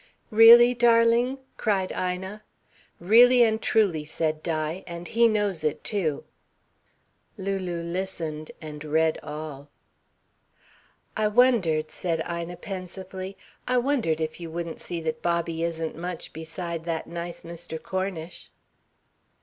"Really, darling?" cried Ina. "Really and truly," said Di, "and he knows it, too." Lulu listened and read all. "I wondered," said Ina pensively, "I wondered if you wouldn't see that Bobby isn't much beside that nice Mr. Cornish!"